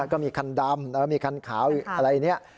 ก็มีคันดำมีคันขาวอะไรเนี่ย